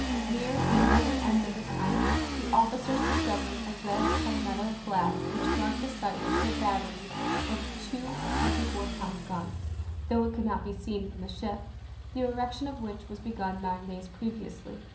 Near the northern end of this island, the officers discovered a red palmetto flag which marked the site of a battery of two 24 pound guns (though it could not be seen from the ship), the erection of which was begun nine days previously.